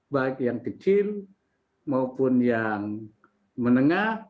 baik yang kecil maupun yang menengah